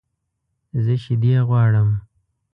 زه شیدې غواړم